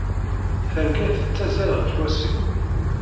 Targa tettazzal ɣer wasif.